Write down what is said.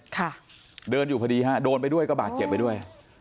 ค่ะเดินอยู่พอดีฮะโดนไปด้วยก็บาดเจ็บไปด้วย